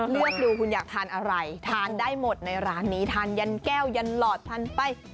เลือกดูคุณอยากทานอะไรทานได้หมดในร้านนี้ทานยันแก้วยันหลอดทานไป